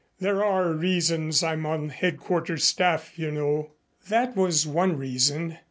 There are reasons I'm on Headquarters Staff, you know." That was one reason.